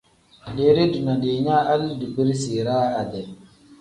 Deere dina diinyaa hali dibirisi iraa ade.